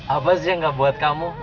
apa sih yang gak buat kamu